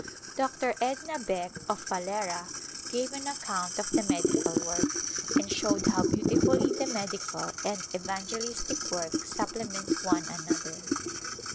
Dr. Edna Beck of Phalera gave an account of the medical work, and showed how beautifully the medical and evangelistic work supplement one another.